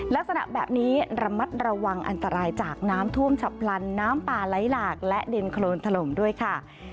ลักษณะแบบนี้ระมัดระวังอันตรายจากน้ำท่วมฉับพลันน้ำป่าไหลหลากและดินโครนถล่มด้วยค่ะ